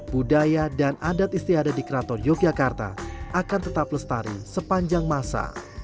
budaya dan adat istiadat di keraton yogyakarta akan tetap lestari sepanjang masa